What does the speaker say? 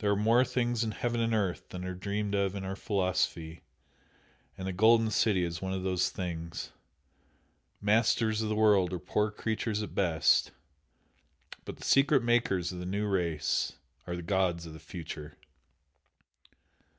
"There are more things in heaven and earth than are dreamed of in our philosophy," and the "Golden City" is one of those things! "Masters of the world" are poor creatures at best, but the secret Makers of the New Race are the gods of the Future!